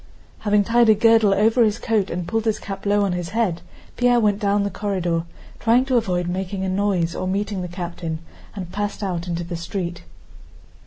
Having tied a girdle over his coat and pulled his cap low on his head, Pierre went down the corridor, trying to avoid making a noise or meeting the captain, and passed out into the street.